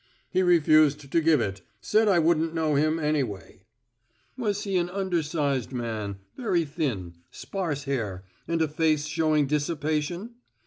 "He refused to give it said I wouldn't know him, anyway." "Was he an undersized man, very thin, sparse hair, and a face showing dissipation?"